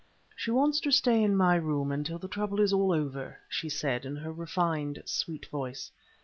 "She wants to stay in my room until the trouble is all over," she said in her refined, sweet voice.